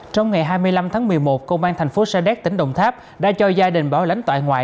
trong ngày hai mươi năm tháng một mươi một công an thành phố sa đéc tỉnh đồng tháp đã cho gia đình bảo lãnh tại ngoại